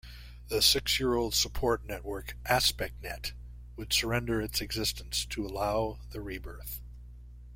The six-year-old support network AspectNet would surrender its existence to allow the rebirth.